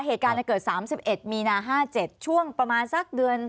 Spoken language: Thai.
เหตุการณ์เกิด๓๑มีนา๕๗ช่วงประมาณสักเดือน